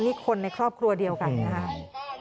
นี่คนในครอบครัวเดียวกันนะครับ